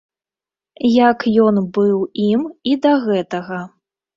Як ён быў ім і да гэтага.